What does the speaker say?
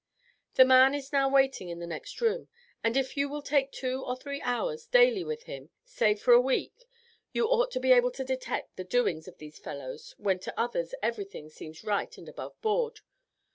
The man is now waiting in the next room, and if you will take two or three hours daily with him, say for a week, you ought to be able to detect the doings of these fellows when to others everything seems right and above board.